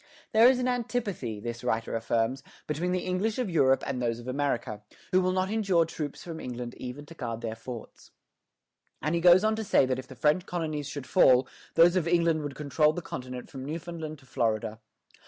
"There is an antipathy," this writer affirms, "between the English of Europe and those of America, who will not endure troops from England even to guard their forts;" and he goes on to say that if the French colonies should fall, those of England would control the continent from Newfoundland to Florida.